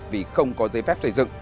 vì không có giấy phép xây dựng